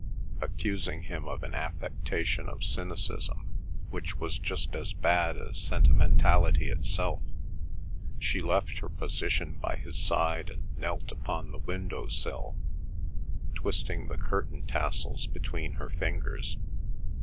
Accusing him of an affection of cynicism which was just as bad as sentimentality itself, she left her position by his side and knelt upon the window sill, twisting the curtain tassels between her fingers.